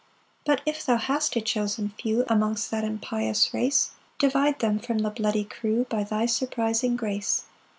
7 But if thou hast a chosen few Amongst that impious race, Divide them from the bloody crew By thy surprising grace.